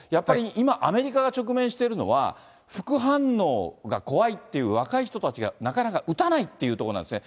今、アメリカが直面しているのは、副反応が怖いっていう若い人たちが、なかなか打たないというところなんですね。